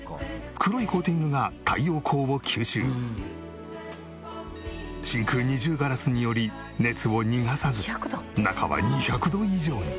黒いコーティングが真空二重ガラスにより熱を逃がさず中は２００度以上に。